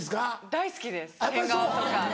大好きです変顔とか。